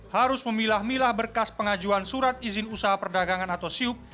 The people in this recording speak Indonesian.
harus memilah milah berkas pengajuan surat izin usaha perdagangan atau siup